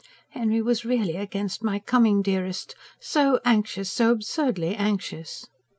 "Henry was really against my coming, dearest. So anxious ... so absurdly anxious!"